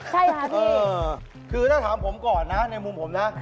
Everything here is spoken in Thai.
ใช่หรือครับพี่เออคือถ้าถามผมก่อนนะในมุมผมนะ